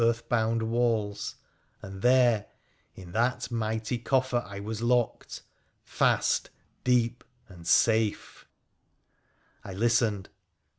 rth bound walls, and there in that mighty coffer I was locked — fast, deep, and safe I '■ I listened.